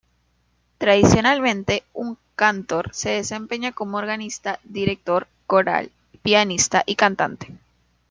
Tradicionalmente un "Kantor" se desempeña como organista, director coral, pianista y cantante.